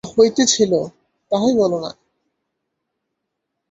যে কথা হইতেছিল তাহাই বল না।